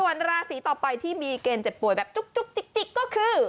ส่วนราศีต่อไปที่มีเกณฑ์เจ็บป่วยแบบจุ๊กจิ๊กก็คือ